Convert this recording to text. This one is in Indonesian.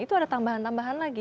itu ada tambahan tambahan lagi